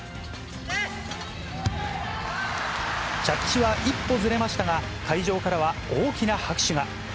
着地は一歩ずれましたが、会場からは大きな拍手が。